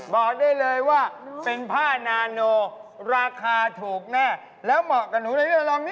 บอกได้เลยว่าเป็นผ้านานโนราคาถูกแน่แล้วเหมาะกับหนูได้ไหม